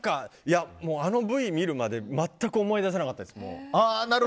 あのＶ見るまで全く思い出せなかったです。